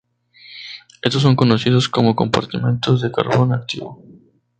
Estos son conocidos como compartimentos de carbón activo.